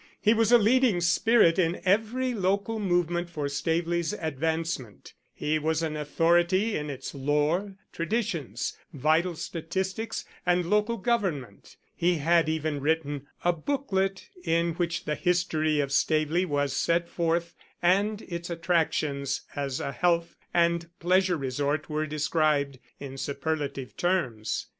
He was a leading spirit in every local movement for Staveley's advancement; he was an authority in its lore, traditions, vital statistics, and local government; he had even written a booklet in which the history of Staveley was set forth and its attractions as a health and pleasure resort were described in superlative terms.